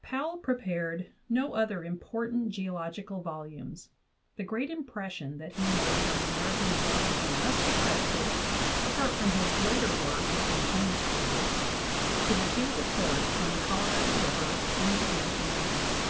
Powell prepared no other important geologi cal volumes; the great impression that he made on American geology must be credited apart from his later work as an administrator to the two reports on the Colorado River and the Uinta Mountains.